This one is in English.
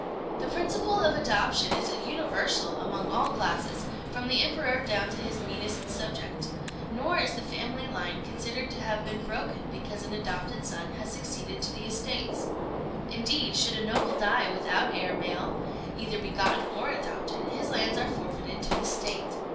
The principle of adoption is universal among all classes, from the Emperor down to his meanest subject; nor is the family line considered to have been broken because an adopted son has succeeded to the estates. Indeed, should a noble die without heir male, either begotten or adopted, his lands are forfeited to the State.